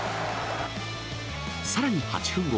さらに８分後。